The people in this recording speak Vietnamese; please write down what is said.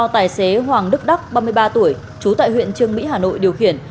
tài xế hoàng đức đắc ba mươi ba tuổi trú tại huyện trương mỹ hà nội điều khiển